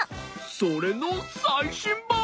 それのさいしんばん！